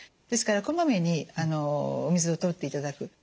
ですからこまめにお水をとっていただく。